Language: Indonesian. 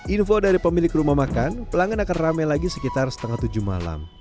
info dari pemilik rumah makan pelanggan akan ramai lagi sekitar setengah tujuh malam